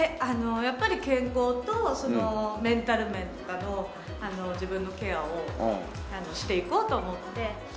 やっぱり健康とメンタル面とかの自分のケアをしていこうと思って。